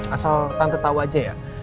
asal tante tahu aja ya